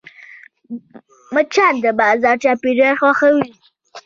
مچان د بازار چاپېریال خوښوي